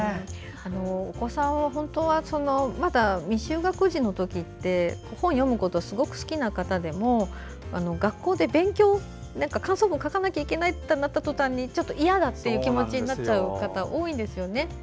お子さんは本当はまだ未就学児の時って本を読むことがすごく好きな方でも学校で感想文を書かなきゃいけないとなった時にちょっといやだって気持ちになっちゃう方多いんですよね。